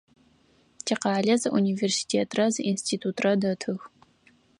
Тикъалэ зы университетрэ зы институтрэ дэтых.